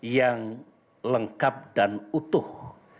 yang lengkap dan utuh